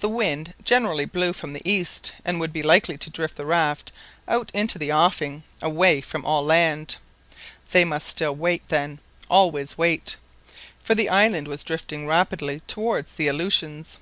The wind generally blew from the east, and would be likely to drift the raft out into the offing away from all land. They must still wait then, always wait; for the island was drifting rapidly towards the Aleutians.